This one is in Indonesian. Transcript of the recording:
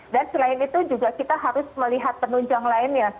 dan selain itu juga kita harus melihat penunjang lainnya